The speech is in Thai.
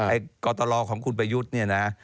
ไอ้ก่อตะลอของคุณประยุทธเนี่ยนะ